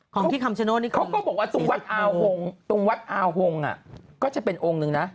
ของที่คำชโน้ตนี่คือตรงวัดอาหงก์ก็จะเป็นองค์นึงนะ